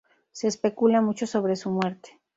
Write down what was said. Se especula mucho sobre su muerte.